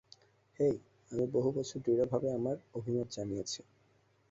হেই, আমি বহুবছর দৃঢ়ভাবে আমার অভিমত জানিয়েছি।